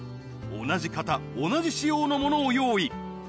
同じ型同じ仕様のものを用意